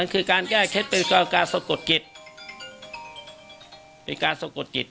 มันคือการแก้เคล็ดเป็นการการสกดกิจเป็นการสกดกิจ